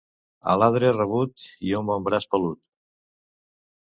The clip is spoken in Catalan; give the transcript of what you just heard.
Aladre rabut i un bon braç pelut.